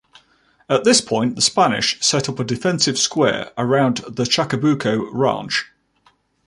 At this point, the Spanish set up a defensive square around the Chacabuco Ranch.